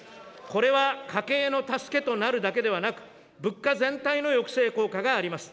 これは家計の助けとなるだけでなく、物価全体の抑制効果があります。